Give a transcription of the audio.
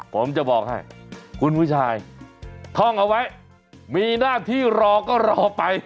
ผมจะบอกให้คุณผู้ชายท่องเอาไว้มีหน้าที่รอก็รอไป